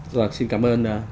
rồi xin cảm ơn